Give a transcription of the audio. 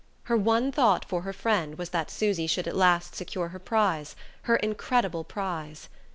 Her one thought for her friend was that Susy should at last secure her prize her incredible prize.